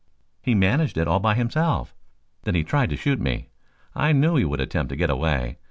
"He managed it all by himself, then he tried to shoot me. I knew he would attempt to get away.